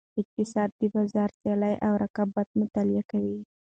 اقتصاد د بازار سیالۍ او رقیبت مطالعه کوي.